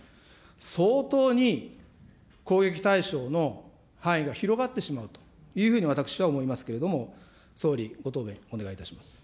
相当に攻撃対象の範囲が広がってしまうというふうに私は思いますけれども、総理、ご答弁お願いいたします。